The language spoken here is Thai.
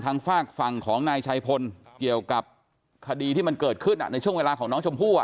ฝากฝั่งของนายชัยพลเกี่ยวกับคดีที่มันเกิดขึ้นในช่วงเวลาของน้องชมพู่